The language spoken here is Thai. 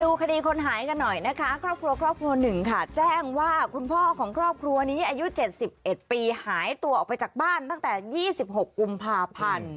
คดีคนหายกันหน่อยนะคะครอบครัวครอบครัวหนึ่งค่ะแจ้งว่าคุณพ่อของครอบครัวนี้อายุ๗๑ปีหายตัวออกไปจากบ้านตั้งแต่๒๖กุมภาพันธ์